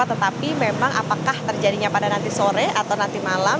tetapi memang apakah terjadinya pada nanti sore atau nanti malam